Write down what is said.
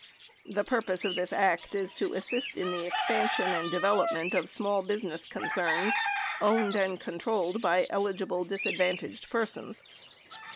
(The purpose of this act is to assist in the expansion and development of small business concerns owned and controlled by eligi ble disadvantaged persons.)